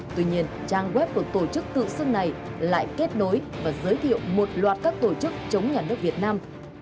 tuy nhiên trang web của tổ chức tự xưng này lại kết nối và giới thiệu một loạt các tổ chức chống nhà nước việt nam